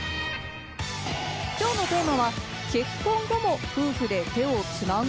きょうのテーマは、結婚後も夫婦で手をつなぐ？